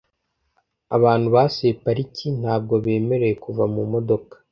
Abantu basuye pariki ntabwo bemerewe kuva mu modoka